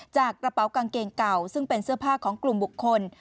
กระเป๋ากางเกงเก่าซึ่งเป็นเสื้อผ้าของกลุ่มบุคคล